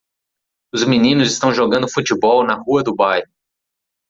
Os meninos estão jogando futebol na rua do bairro.